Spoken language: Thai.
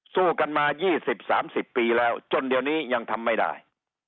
สู้กันมา๒๐๓๐ปีแล้วจนเดี๋ยวนี้ยังทำไม่ได้